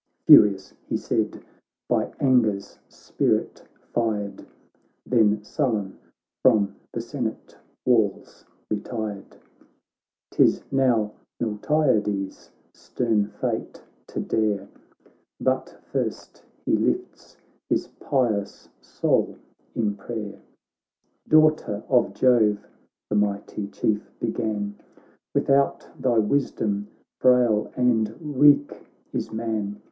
Furious he said, by anger's spirit fired, Then sullen from the Senate walls retired. 'Tis now Miltiades' stern fate to dare, But first he lifts his pious soul in prayer. 'Daughter of Jove!' the mighty Chief began, 'Without thy wisdom, frail and weak is man.